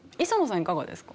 いかがですか？